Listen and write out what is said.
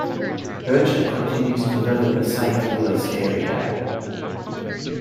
Burchett continues to live in the Saint Louis area.